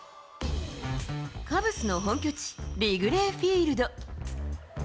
カブスの本拠地、リグレーフィールド。